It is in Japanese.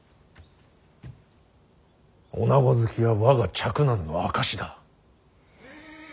女子好きは我が嫡男の証しだ。